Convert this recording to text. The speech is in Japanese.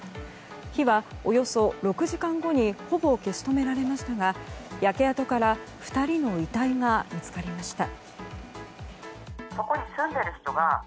火はおよそ６時間後にほぼ消し止められましたが焼け跡から２人の遺体が見つかりました。